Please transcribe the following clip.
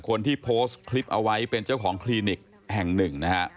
คนที่โพสต์คลิปเอาไว้เป็นเจ้าของคลินิกแห่งหนึ่งนะฮะ